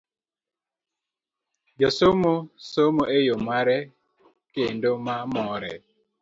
Jasomo somo e yo mare kendo ma more.